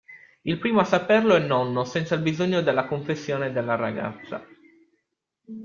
Il primo a saperlo è il nonno senza il bisogno della confessione della ragazza...